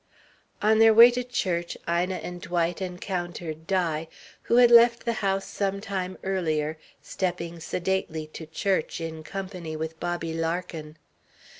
On their way to church Ina and Dwight encountered Di, who had left the house some time earlier, stepping sedately to church in company with Bobby Larkin.